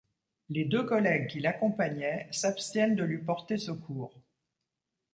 Les deux collègues qui l'accompagnaient s'abstiennent de lui porter secours.